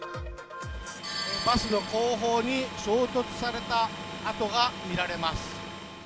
バスの後方に衝突された跡が見られます